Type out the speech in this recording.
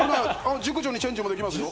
熟女にチェンジもできますよ。